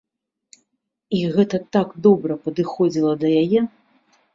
І гэта так добра падыходзіла да яе!